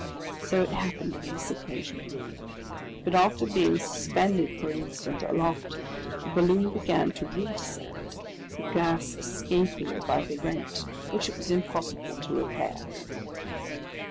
So it happened on this occasion. But after being suspended for an instant aloft, the balloon began to redescend, the gas escaping by the rent which it was impossible to repair.